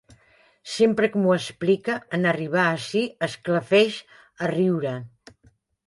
Sempre que m'ho explica, en arribar ací esclafeix a riure.